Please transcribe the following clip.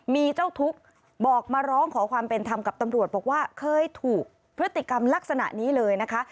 มีเจ้าทุกข์บอกมาร้องขอความเป็นธรรมกับตำรวจบอกว่าเคยถูกพฤติกรรมลักษณะนี้เลยนะคะ